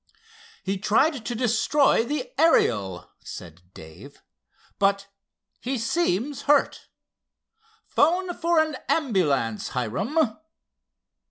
"He tried to destroy the Ariel," said Dave, "but he seems hurt. Phone for an ambulance, Hiram."